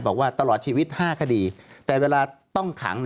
บอกว่าตลอดชีวิต๕คดีแต่เวลาต้องขัง